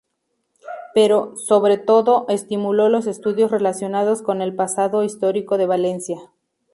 Pero, sobre todo, estimuló los estudios relacionados con el pasado histórico de Valencia.